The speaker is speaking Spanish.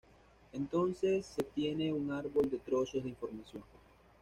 Entonces se tiene un árbol de trozos de información.